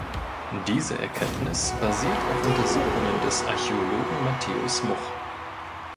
Diese Erkenntnis basiert auf Untersuchungen des Archäologen Matthäus Much.